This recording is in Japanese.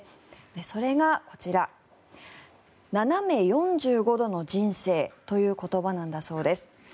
それがこちら、斜め４５度の人生という言葉なんだそうです。